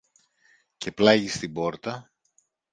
Και πλάγι στην πόρτα